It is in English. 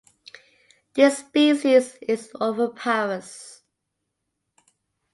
This species is oviparous.